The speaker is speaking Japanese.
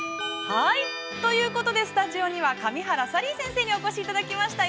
◆はい、ということで、スタジオには神原サリー先生に来ていただきました。